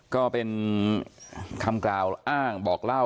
ก็เป็นคำกล่าวอ้างบอกแล้วนะครับ